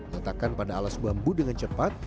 letakkan pada alas bambu dengan cepat